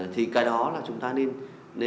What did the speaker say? thì cái đó là chúng ta nên